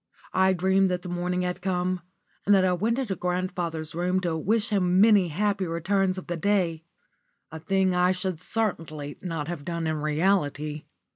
I dreamed that the morning had come, and that I went into grandfather's room to wish him many happy returns of the day a thing I should certainly not have done in reality.